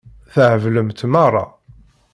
Theblemt meṛṛa.